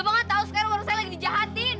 bapak nggak tahu sekarang warung saya lagi ngejahat